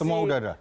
semua udah dah